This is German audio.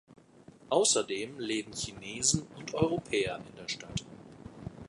Außerdem leben Chinesen und Europäer in der Stadt.